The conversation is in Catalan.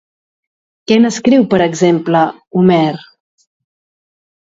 Què n'escriu, per exemple, Homer?